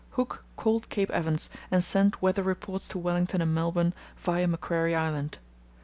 Hooke called Cape Evans and sent weather reports to Wellington and Melbourne via Macquarie Island.